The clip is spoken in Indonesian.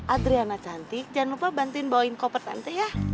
adriana cantik jangan lupa bantuin bawain koper tante ya